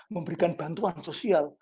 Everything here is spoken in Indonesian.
memberikan bantuan sosial